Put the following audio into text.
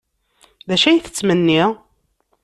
D acu ay tettmenni?